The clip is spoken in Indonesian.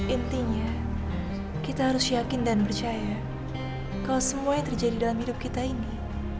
intinya kita harus yakin dan percaya kalau semuanya terjadi dalam hidup kita ini